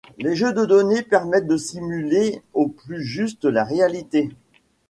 Les jeux de données permettent de simuler au plus juste la réalité.